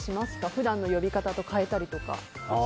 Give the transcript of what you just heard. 普段の呼び方と変えたりとか。